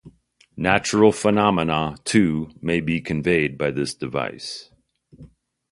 Natural phenomena, too, may be conveyed by this device.